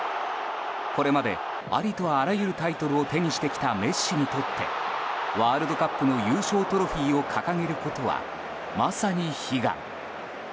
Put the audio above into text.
これまでありとあらゆるタイトルを手にしてきたメッシにとってワールドカップの優勝トロフィーを掲げることはまさに悲願。